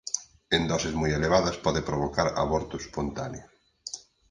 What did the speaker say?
En doses moi elevadas pode provocar aborto espontáneo.